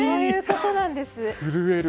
震える。